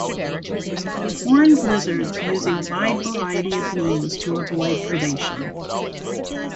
Horned lizards use a wide variety of means to avoid predation.